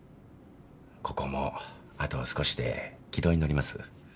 ここもあと少しで軌道に乗ります。